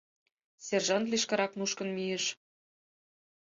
Сержант лишкырак нушкын мийыш.